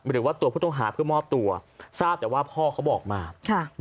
หรือว่าตัวผู้ต้องหาเพื่อมอบตัวทราบแต่ว่าพ่อเขาบอกมา